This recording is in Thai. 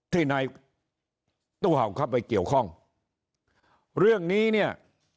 ที่นายตู้เห่าเข้าไปเกี่ยวข้องเรื่องนี้เนี่ย